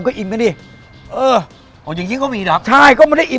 มันก็อิ่มกันดิเอออ๋ออย่างนี้ก็มีหรอใช่ก็มันได้อิ่ม